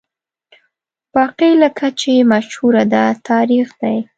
باقي لکه چې مشهوره ده، تاریخ دی.